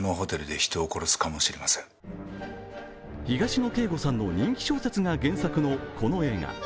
東野圭吾さんの人気小説が原作のこの映画。